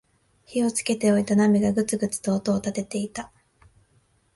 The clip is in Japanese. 火をつけておいた鍋がグツグツと音を立てていた